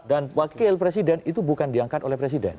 dan wakil presiden itu bukan diangkat oleh presiden